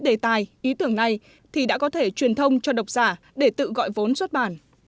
đề tài ý tưởng này thì đã có thể truyền thông cho độc giả để tự gọi vốn xuất bản